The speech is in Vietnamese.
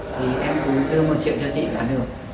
thì em cứ đưa một triệu cho chị là được